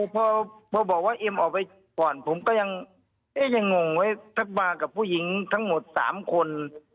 พอบอกว่าเอ็มออกไปก่อนผมก็ยังงงไว้ถ้ามากับผู้หญิงทั้งหมด๓คน